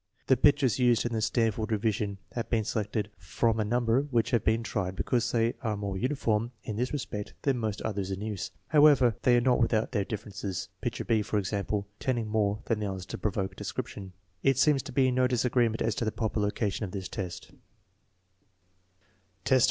The pictures used in the Stan ford revision have been selected from a number which have been tried because they are more uniform in this respect than most others in use. However, they are not without their differences, picture b, for example, tending more than the others to provoke description. There seems to be no disagreement as to the proper location of this test.